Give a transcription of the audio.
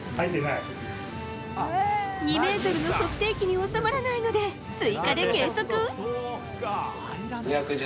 ２ｍの測定器に収まらないので追加で計測。